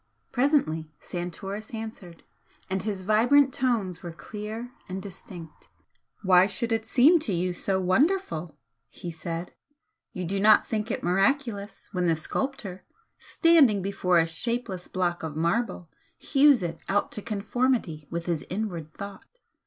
Presently Santoris answered, and his vibrant tones were clear and distinct. "Why should it seem to you so wonderful?" he said "You do not think it miraculous when the sculptor, standing before a shapeless block of marble, hews it out to conformity with his inward thought.